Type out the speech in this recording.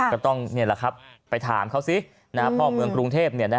ก็ต้องไปถามเขาซิพ่อเมืองกรุงเทพ